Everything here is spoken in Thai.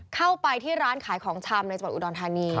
เข้าไปที่ร้านขายของชำในจังหวัดอุดรธานี